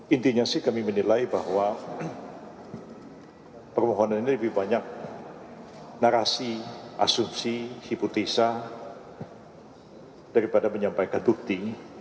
intinya sih kami menilai bahwa permohonan ini lebih banyak narasi asumsi hipotesa daripada menyampaikan bukti